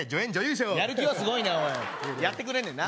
賞やる気はすごいなおいやってくれんねんな